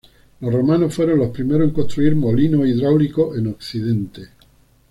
Los romanos fueron los primeros en construir molinos hidráulicos en Occidente.